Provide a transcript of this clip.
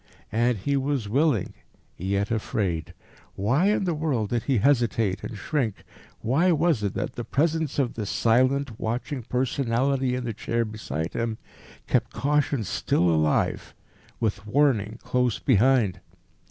And he was willing, yet afraid. Why in the world did he hesitate and shrink? Why was it that the presence of this silent, watching personality in the chair beside him kept caution still alive, with warning close behind?